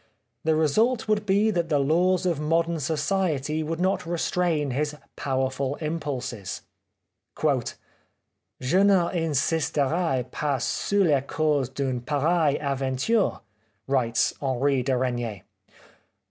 The re sult would be that the laws of modern society would not restrain his powerful impulses. " Je n'insisterai pas sur les causes d'une pareille aventure," writes Henri de Regnier.